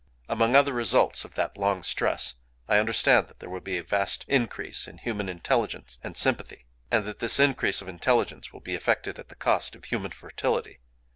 Among other results of that long stress, I understand that there will be a vast increase in human intelligence and sympathy; and that this increase of intelligence will be effected at the cost of human fertility.